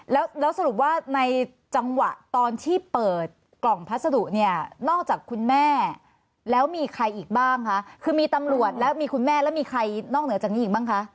แล้วสรุปว่าในจังหวะตอนที่เปิดกล่องพัสดุเนี่ยนอกจากคุณแม่แล้วมีใครอีกบ้างคะคือมีตำรวจแล้วมีคุณแม่แล้วมีใครนอกเหนือจากนี้อีกบ้างคะ